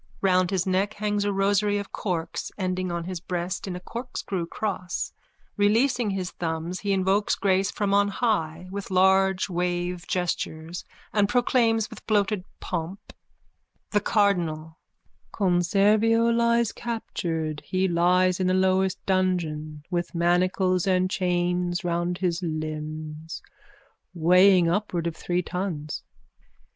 Round his neck hangs a rosary of corks ending on his breast in a corkscrew cross. Releasing his thumbs, he invokes grace from on high with large wave gestures and proclaims with bloated pomp:)_ THE CARDINAL: Conservio lies captured He lies in the lowest dungeon With manacles and chains around his limbs Weighing upwards of three tons.